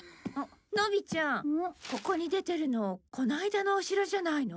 ここに出てるのこの間のお城じゃないの？